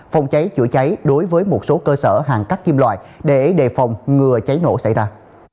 phòng cháy chữa cháy đối với một số cơ sở hàng cắt kim loại để đề phòng ngừa cháy nổ xảy ra